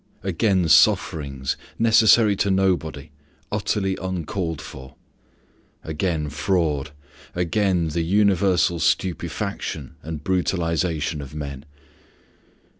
Again sufferings, necessary to nobody, utterly uncalled for; again fraud; again the universal stupefaction and brutalization of men.